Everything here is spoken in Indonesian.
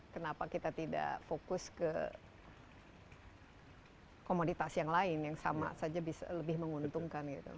kenapa kita tidak fokus ke komoditas yang lain yang sama saja bisa lebih menguntungkan gitu